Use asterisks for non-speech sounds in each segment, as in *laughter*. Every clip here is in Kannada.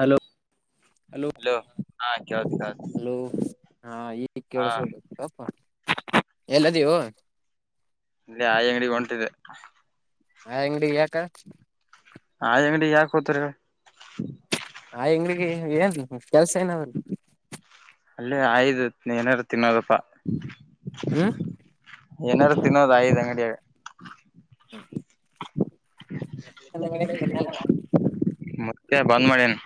ಹಲೋ ಹಲೋ ಹಾ ಕೇಳತ್ ಕೇಳತ್ ಹಲೋ ಹಾ ಈ ಹಾ ಕೇಳಸಪ್ಪ ಎಲ್ಲದೀವು ಇಲ್ಲಿ ಆಿ ಅಂಗಡಿಿಗೆ ಹೊಂಟಿದೆ ಹಾ ಅಂಗಡಿ ಯಾಕ ಆ ಅಂಗಡಿ ಯಾಕ ಹೋತರಿ ಆ ಹೆಂಗ್ಗೆ ಏನ್ ಕೆಲ್ಸ ಏನ ಅವ್ರ ಅಲ್ಲೇ ಆಯ್ ಏನಾರು ತಿನ್ನೋದು ಪ್ಪಾ ಹ್ಮ್ ಏನಾರು ತಿನ್ನೋದ ಐದು ಅಂಗಡಿಯಾಗ ಹಾ *unintelligible* ಮತ್ತೆ ಬಂದ್ ಮಾಡೇನ್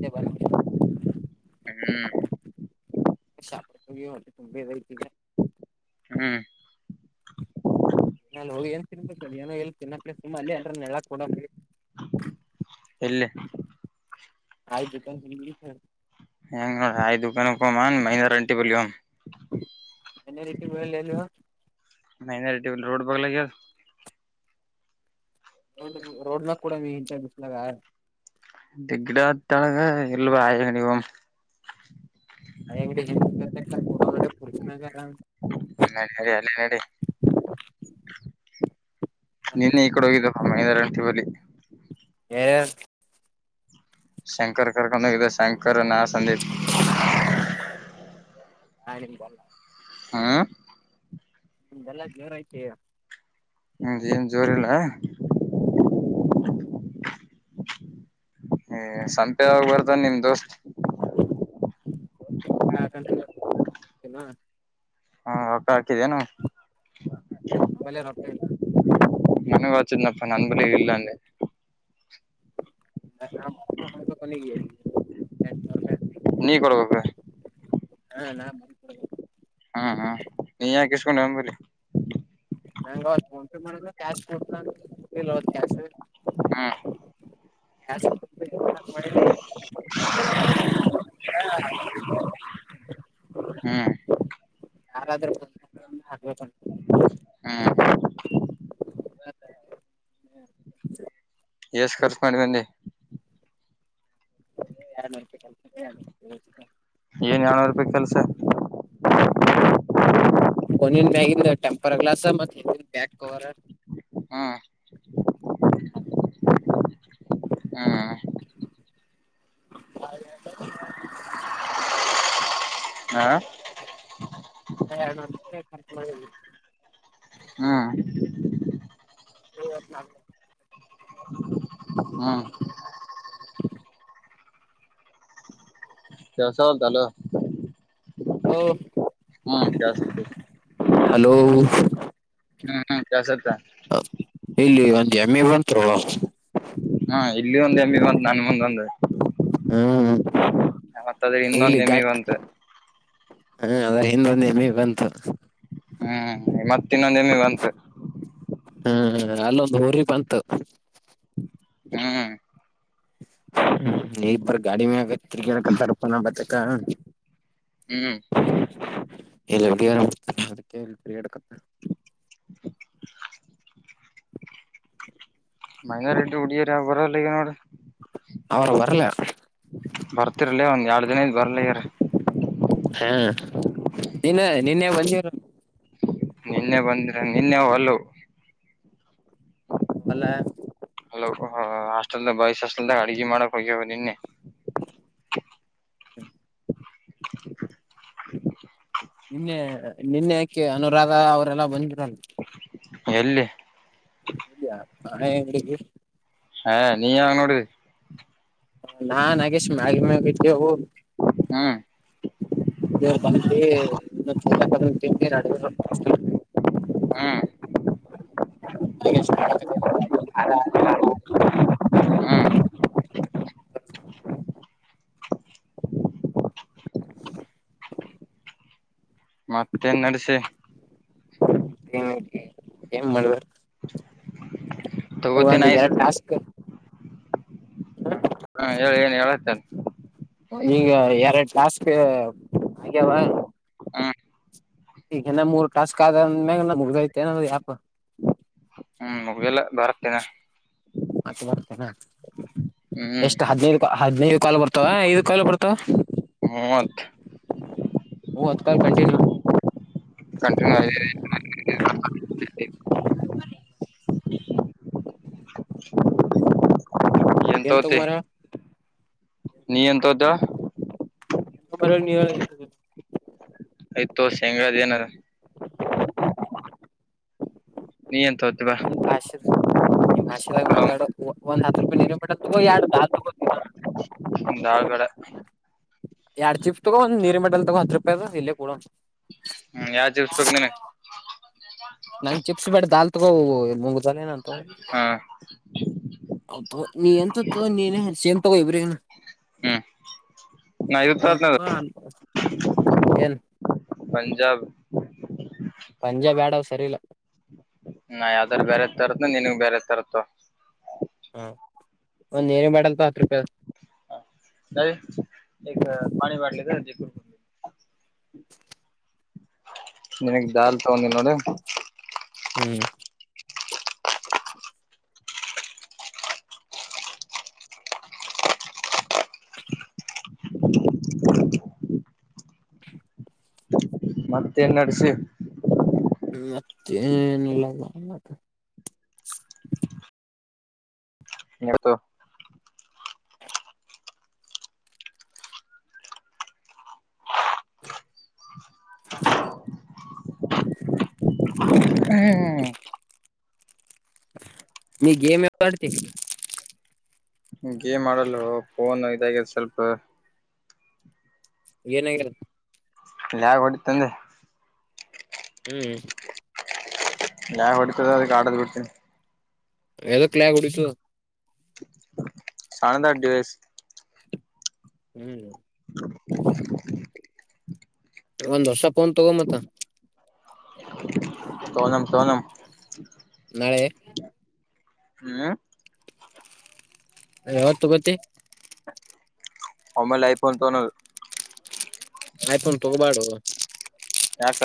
ಬ *unintelligible* ಹ್ಮ್ ಪ ತುಂಬೇ ರತಿಗ ಹ್ಮ್ ನಾ ಹೋಗಿ ಏನ್ ತಿನ್ ಸ ಏನೋ ಎ ಚನ್ನ ಪ್ಲೇ ಸುಮ್ಮ ಅಲ್ಲಿ ಅಂದ್ರ ನೆ ಕೂಡಿ ಎಲ್ಲಿ ಆಯ್ತುತ ಹೆಂಗ ನೋಡ ಆಯ್ ದುಕಾನ ಹಮ್ಮ ಮೈನಾರ ಅಂಟಿ ಬರ್ಲಿ ಹೋಗಾಣ ಎ ರೀಟ್ಟಿಗೆ ಬಯಲ್ಲಲ್ಲಿ ಮೈನಾರ್ ಅಂಟಿ ಬಲ್ಲಿ ರೋಡ್ ಬಾಗ್ಲಗೆ ರೋಡ್ ರೋಡ್ನಾಗ ಕೂಡ ಇಂತ ಬಿಸ್ಲಾಗ ಗಡ ತಳಗೆ ನಿಲ್ಲವಾಯನಗ ಅ ಅಂಗಡಿ ಹಿಂದಡ ನ ಪುರ್ನಾಗ ನರಿ ಅಲ್ಲಿ ನಡಿ ನಿನ್ನೆ ಈ ಕಡೆ ಹೋಗಿದ್ದ ಮೈದಾರ ಗಂಟೆ ಬಳಿ ಎ ಶಂಕರ್ ಕರ್ಕೊಂಡ ಹೋಗಿದ್ದ ಶಂಕರ್ ನ ಸಂದೀಪ್ ಹ ನೀ ಬ ಹಾ ನಿಮ್ದ ಎಲ್ಲ ಜೇವರಯ್ತ ಹಾ ಹ ಸಂಪೆ ಆಗ ಬರ್ತನ್ ನಿಮ್ ದೋಸ್ತ್ ಎನ್ ಹಾ ರೋಕಾ ಹಾಕಿದೇನು ನಂಬಲ್ಲೇ ರೊಕ್ಕ ಇಲ್ಲ ನನಗೆ ಆಚಿದನಪ್ಪ ನನ್ನ ಬಳ ಇಲ್ಲ ಅಂದೆ ನ ರೂಪಾಯಿ ಕೊನೆ ಎಂಟುನೂರು ರೂಪಾಯಿ ನೀ ಕೊಡ್ಬೇಕ್ರ ಹಾ ನಾನ್ ಹಾ ಹಾ ನೀ ಯಾಕಸ್ಕೊಂಡ್ ಬಂಬ್ರಿ ನಂಗ ಅವತ್ ಫೋನ್ ಪೇ ಮಾಡಿದ ಕ್ಯಾಶ್ ಕೊತ ಅವತ್ ಕ್ಯಾಶ ಹಾ ಯಾ *unintelligible* ಹ ಹ್ಮ್ *unintelligible* ಯಾರಾದ್ರೂ ಆಗ್ಬೇಕ ಹ *unintelligible* ಎಷ್ಟ ಕರ್ಚು ಮಾಡಿ ಬನ್ನಿ ಯ ಏನ್ ಏಳ್ನೂರು ರೂಪಾಯಿ ಕೆಲ್ಸ *unintelligible* ಒನನ್ ಬ್ಯಾಗಿನ್ ಟೆಂಪರ್ ಗ್ಲಾಸ್ ಮತ್ತೆ ಬ್ಯಾಗ್ ಕವರ ಸ ಹ್ಮ್ ಹ *unintelligible* ಹ್ಮ್ ಐವತ್ನಾಲ್ಕು ಹ್ಮ್ ಕೆವಸ ಹೊಲ್ತಲ್ಲ ಹಲೋ ಹ್ಮ ಕೆಲಸ ಹಲೋ ಹ್ಮ್್ಮ ಕೆಲಸತ್ತ ಇಲ್ಲಿ ಒಂದ್ ಎಮೆ ಬಂತ ಹಾ ಇಲ್ಲಿ ಒಂದ್ ಎಮ್ಮಿ ಬಂತ ನನ್ ಮುಂದ ಒಂದು ಹ್ಮ ಮತ್ತ ಅದ್ರೆ ಇನ್ನೊಂದೆಮಿಗಂತ ಹಾ ಅದ್ರ ಹಿಂದೊಂದೆ ಮೀ ಬಂತು ಹ್ಮ್ ಮತ್ತ ಇನ್ನೊಂದ ಎಮಿ ಬಂತು ಹ್ಮ್ ಅಲ್ಲೊಂದು ಹಊರಿಪಂತ ಹ್ಮ್ ಈ ಬಾರ ಗಾಡಿ ಮ್ಯ ಕ್ರಿಕೆಟ್ತ ರೂಪಾ ನ ಬತೇಕ ಹ್ಮ್ ಎ ಅದಕ್ಕೆ ಎರಿ ಎಡಕತ್ತೆ ಮಂಗ ರೆಡ್ಡಿ ಉಡಿಯರ ಬರಲ್ಲ ಈ ನೋಡ್ರ ಅವರು ಬರ್ಲ ಬರ್ತಿರ್ಲ ಒಂದ್ ಎರಡ್ ದಿನ ಇದದ್ ಬರ್ಲ ಯಾರ ಹಾ ನಿನ್ನ ನಿನ್ನೆ ಮ ನಿನ್ನೆ ಬಂದ್ರೆ ನಿನ್ನೆ ಅಲ್ಲ ವಲ ಹಾಸ್ಟೆಲ್ ಬಯಸ್ ಹಸ್ಟೆಲ್ದಾಗ ಅಡ್ಗೆ ಮಾಡಕ್ ಹೋಗ್ಯ ನಿನ್ನೆ ಹ ಹ ನಿನ್ನೆ ನಿನ್ನೆ ಯಾಕೆ ಅನುರಾಧ ಅವರೆಲ್ಲ ಬಂದಿರಲ್ ಎಲ್ಲಿ ಇಯೆ ಹಾ ನೀ ಯಾವಾಗ ನೋಡರಿ ನಾ ನಾಗೇಶ್ ಮ ಮಗತಿ ಹ್ಮ್ ಅ ಬ ಒ ಚ ಕ ಹಾ ಹಾ ಹಾ ಮತ್ತೆನ್ ನಡ್ಸ ದನಕ್ಕೆ ಏನ್ ಮಾಡಬೇಕ ತಗೋತೇನ ಒಂದು ಆಯ್ಸ ಎರಡು ಟಾಸ್ಕ್ ಹಾ ಹೇಳ ಏನ್ ಹೇಳತನೆ ಈಗ ಎರಡು ಕ್ಲಾಸ್ಗೆ ಆಗ್ಯಾವ ಹ್ಮ್ ಈಗ ನಮ್ಮ ಮೂರು ಕಾಸ ಕ ಮ್ಯ ನ ಮುತೆ ಯಪ ನಾ ಮತ್ತೆ ಬರ್ತೇನಾ ಹ್ಮ್ ಎಷ್ಟು ಹದ್ಿನೈದು ಹದ್ಿನೈದು ಕಾಲು ಬರ್ತಾವ ಐದು ಕಾಲು ಬರ್ತಾವ ಮೂವತ್ ಮೂವತ್ತು ಕಲ್ ಕಂಟಿನ್ಯೂ ಕಂಟಿನ್ಯೂ ಆಯ ಏನ್ ತಗ ಮಾರ ನೀ ಎಂತ್ದ ಎ ಮ ನೀ ಆಯ್ತ ತೋ ಶ ಹೆಂಗಾದ್ ಏನಾರ ನೀ ಏನ್ ತೋತಿ ಬಾ ಭಷ ನಿ ಭಷೆದಾಗ ಮಾತಾಡೋ ಹ ಒಂದ್ ಹತ್ತು ರೂಪಾಯಿ ನೀರು ಬಿಿಟ್ಟ ಎರ್ದ ದಾಳ್ ಬೇಡ ಎರಡ್ ಚಿಪ್ಸ್ ತಗೊ ಒಂದ್ ನೀರಿ ಮೆಟಲ್ ತಗೋ ಹತ್ ರೂಪಾಯಿ ಅ ಇಲ್ಲೇ ಕೂಡ ಹೂ ಯಾವ್ ಜೂಸ್ ಬೇಕ್ ನಿಂಗ ನಂಗ್ ಚಿಪ್ಸ್ ಬೇಡ ದಾಲ್ ತಗೋ ಮುಗ್ ದಲ ಏ ಹಾ ಹೌ ನೀ ಎಂಥದು ತಗೊಂಡಿ ಸೇಮ್ ತಗೋ ಇಬ್ರಿಗೂ ಹ್ಮ್ ನಾ ಇದು ತಗೊನ್ನಿ ಎನ್ ಪಂಜಾಬ್ ಪಂಜಾಬ್ ಬೇಡ ಸರಿ ಇಲ್ಲ ನಾ ಯಾವದ್ರ ಬೇರೆ ತಾರ್ನಿ ನಿಂಗೆ ಬೇರೆ ತಾರ್ನಿ ತಗೋ ಹ ಒಂದ್ ನೀರಿನ ಬಾಟಲ್ ತಾ ಹತ್ ರೂಪಾಯ ನ ಪಾಣಿ ಬಟಲಿ ಜೆ ಕಕ ನಿನಗ್ ದಾಲ್ ತಗೊಂಡಿ ನೋಡು ಹೂ ಮತ್ತೇನ್ ನಡ್ಸಿ ್ಮ ಮತ್ತೆನೀಲ್ಲ ನೀತ್ತು ನೀ ಗೇಮ್ ಯಾಕ್ ಆಡ್ತಿ ಗೇಮ್ ಆಲ್ ಫೋನ್ ಇದ ಸ್ವಲ್ಪ ಏನ್ ಆಗ್ಯದಪ್ಪ ಇಲ್ಲ ಲ್ಯಾಬ್ ಹೊಡಿತ್ತಂದೆ ಹೂ ಯಾವ ಹೊಡ್ತದ ಅದಕ್ಕೆ ಆಡೋದ್ ಬಿಡ್ತೀನಿ ಯಾದಕ್ ಲೆ ಉಡಿಸು ಸಣ್ಣಂದ ದಿವಸ ಹೂ *inaudible* ಒಂದ್ ವರ್ಷ ಪೋನ್ ತಗೊ ಮತ್ತ ತೊಗಮ್ ತೊಗಮ್ ಹೇ ಹ ಯಾವತ್ತೂ ತಗೋತಿ ಒಮ್ಮೈಲೆ ಐಫೋನ್ ತೊಗೊಲೊದು ಐಫೋನ್ ತಗೋಬಾಡೋ ಯಾಕ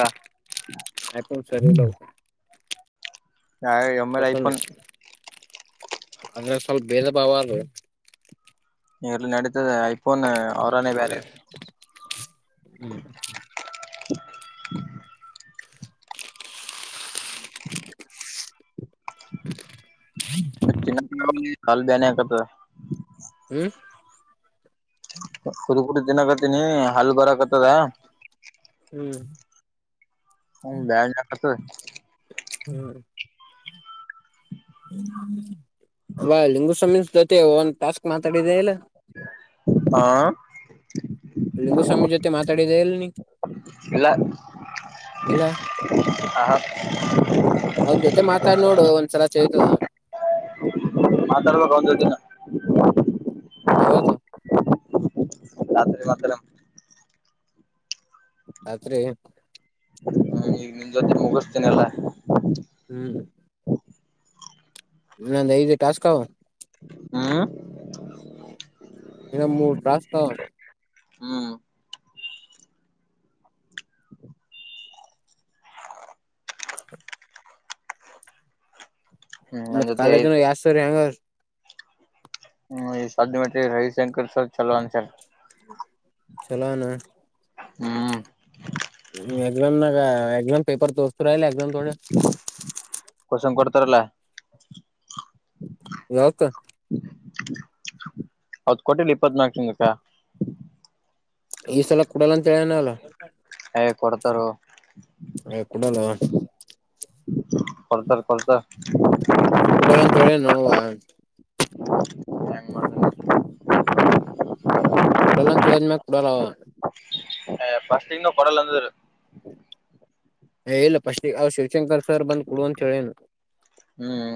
ಐಫೋನ್ ಸರಿ ಇಲ್ಲ ಅವು ಹಾ ಎಮ ಎಲ್ ಐಫೋನ್ ಅಂದ್ರೆ ಸ್ವಲ್ಪ ಬೇದ ಭಾವ ಅದೋ ಇಲ್ಲಿ ನೆಡೆತದ ಐಫೋನ್ ಅವರಾನೆ ಬೇರೆ ಹೂ ಚನ್ನ ಕಾಲ್ ಬಾನಕತದ ಹೂ ಕುದ ಕುುದ ತಿಿನಕತಿನಿ ಹಲ್ ಬರಕತ್ತದ ಹ್ಮ್ ಹ್ ಬತತ ಹ ವ ಲಿಂಗು ಸಮೀ ಜೊತೆ ಒಂತ ಟಾಸ್ಕ್ ಮಾತಾಡಿದೆ ಇಲ್ಲ ಹಾ ಲಿಂಗುಸ್ವಾಮಿ ಜೊತೆ ಮಾತಾಡಿದೆಲ್ಲಿ ಇಲ್ಲ ಇಲ್ಲ ಆ ಇದ ಮಾತಾಡ್ಬೇಕ ಒಂದು ದಿನ ಯವತ ರಾತ್ರಿ ಮಾತ್ರರ ರತ್ರಿ ಹ್ಮ ಈಗ ನಿನ್ ಜೊತೆ ಮುಗಿಸ್ತೇನೆ ಎಲ್ಲಾ ಹ್ಮ್ ನ ನ ಈದು ಟಸ್ಕಾಾವ ಹ್ಮ ಇನ್ನ ಮೂರು ರಸ್ತ ಹ್ಮ ಹ್ಮ್ ನನ್ ಮತ್ ಜೊತೆ ಐ ಕಾಲೇಜ್ನ ಎಷ್ಟ ಸರಿ ಹೆಂಗಾರ ಹ್ಮ್ ಈ ಶಧು ಮಟ್ರ ರವಿಶಂಕರ್ ಸರ್ ಚಲವ ಸರ್ ಚಲೋನ ಹ್ಮ್ ಎಾಮ ನ ಎಕ್ಾಮ ಪೇಪರ್ ತೋಸ್ತು ರ ಎಕ್ಾಮ ಥೋಡೆ ಕೊಡ್ತಾರಲ್ಲ ಯಾವತ್ ಹೌದ ಕೊಟ್ಟಿಲ್ಲ ಇಪ್ಪತ್ನಾಾಲ್ಕಿನಕ್ಕ ಈ ಸಲ ಕೊಡಲ್ಲ ಅಂತ ಹೇಳನ ಅಲ್ಲ ಹಏ ಕೊಡ್ತಾರ ಕೊಡಲ್ಲ ಕೊಡ್ತ ಕೊಡ್ತ ಕೂಡಲ್ಲಂತಳೆ ನೋವ ಹ ಕುಡಲಂತದ್ ಮೆ ಕುಡಲ ಹ ಫಸ್ಟ್ಿಂಗ ಕೊಡಲ ಅಂದರು ಹೇಳಲ್ಲ ಪಶ ಶಿವಶಂಕರ್ ಸರ್ ಬಂದು ಕುಡುವನ್ ಹೇಳೇನು ಹ್ಮ್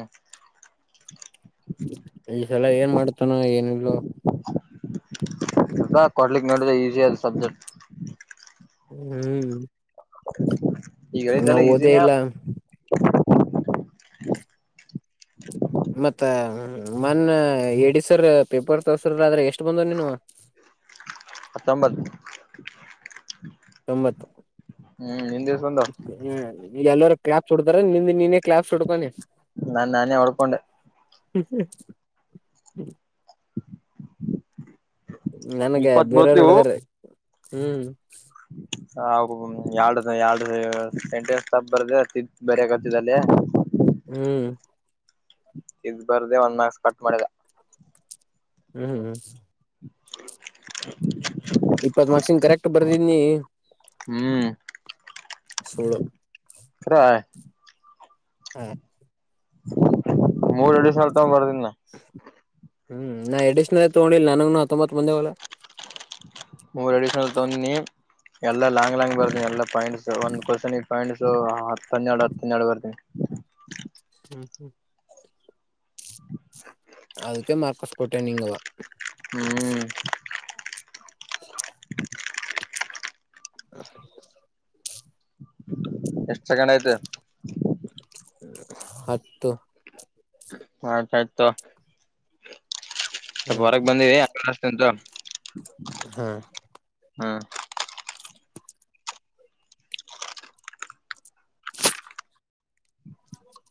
ಈಸಲ ಏನ್ ಮಾಡ್ತಾನ ಏನಲು ಾ ಕೊಡ್ಲಿಕ್ಕೆ ನೋಡುದ ಈಸಿ ಆದ ಸಬ್ಜೆಕ್ಟ್ ಹ್ಮ್ ಈಗಿದ್ದಲ್ಲ ನಾವ್ ಓದೇ ಈಸಿನಯ ಇಲ್ಲ *inaudible* ಮತ್ತ ಮನ್ನ ಎಡ ಸರ್ ಪೇಪರ್ ತರ್ಸ್ರ ಆದ್ರೆ ಎಷ್ಟು ಬಂದವ ನೀನು ಅತ್ತಮ್ಮದ ತೊಂಬತ್ತು ಹಿಂದಿವಸ್ ಒಂದು ಎಲ್ಲರ ಕ್ರ್ಯಾಪ್ ಕೊಡ್ತಾರೆ ನಿ ನೀನ ನಾ ನಾನೇ ಹೊಡ್ಕೊಂಡೆ ಹ್ಮ ಹ್ಮ ನನಗೆ ಇಪ್ಪತ್ ಬೇರೆಯವರು ಬಳ್ತೀವು ಹೊಡದಾರೆ ಹ್ಮ್ ಎ ಎ್ದ ಸಂಸ್ ತಪ್ಪ ಬರ್ದಿದ್ದ ಬರಿಾಗತ್ತಿದ ಅಲ್ಲಿೇ ಹ್ಮ್ ಇದದು್ ಬರ್ದೆ ಒಂದ ಮಾರ್ಕ್ಸ್ ಕಟ್ ಮಾಡಿದ ಹ್ಮ್ ಹ್ಮ್ ಹ್ಮ್ ಇಪ್ಪತ್ ಮಾರ್ಕ್ಸನ್ ಕರೆಕ್ಟ್ ಬರ್ದೀನಿ ಹ್ಮ್ ಸುಳ ಸವಾ ಹ್ಮ ಮೂರ್ ಎರಡು ಸಲ್ ತಗ ಬರ್ದನ್ ನ ಹ್ಮ್ ನಾ ಎಡಿಷ್ನಲ್ ತಗೊಂಡಿಲ್ಲ ನನ ಹತ್ತೊಂಬತ್ ಮಂದಿವಲ್ಲಾ ಮೂರು ಅಡಿಷನಲ್ ತ ಎಲ್ಲಾ ಲಾಂಗ್ ಲಾಂಗ್ ಬರ್ತಿನನ ಎಲ್ಲ ಪಾಯಿಂಟ್ಸ್ ಒಂದ್ ಕೊರ್ಸ ಪಾಯಿಂಟ್ಸ್ ಹನ್ನೆರಡು ಹತ್ತು ಹನ್ನೆರಡು ಬರ್ತಿನನಿ ಹ್ಮ್ ಹ್ಮ್ ಅದಕ್ಕೆ ಮಾರ್ಕಸ್ ಕೊಟ್ಟೆ ನಿಂಗಲ್ಲ ಹ್ಮ್ ಹ ಹ ಎಷ್ಟ ಸೆಕೆಂಡ್ ಆಯ್ತು ಹತ್ತು ಆಾ ಸ್ತ ಹ್ಮ್ ಹೊರಕ್ ಬಂದ ಹಾ ಹ್ಮ್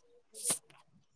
*inaudible*